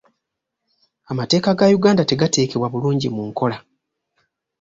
Amateeka ga Uganda tegateekebwa bulungi mu nkola.